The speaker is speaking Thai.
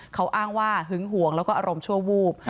เขาอ้างว่าหึงห่วงแล้วก็อารมณ์ชั่ววูบ